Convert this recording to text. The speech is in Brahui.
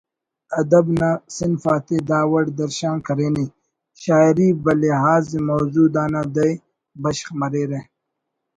ادب نا صنف آتے دا وڑ درشان کرینے: شاعری بلحاظ موضوع دانا دَہ بشخ مریرہ: